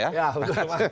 ya sudah kemacet